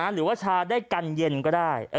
หรือว่าชาได้กันเย็นก็ได้